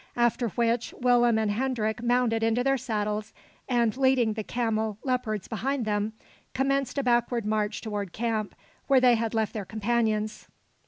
After which, Willem and Hendrik mounted into their saddles, and, leading the camelopards behind them, commenced a backward march toward camp, where they had left their companions.